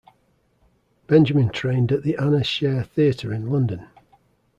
Benjamin trained at the Anna Scher Theatre in London.